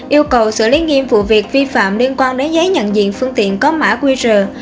yêu cầu xử lý nghiêm vụ việc vi phạm liên quan đến giấy nhận diện phương tiện có mã qr